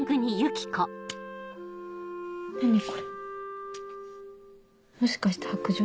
何これもしかして白杖？